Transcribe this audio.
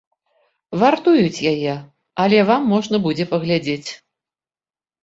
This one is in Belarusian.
Вартуюць яе, але вам можна будзе паглядзець.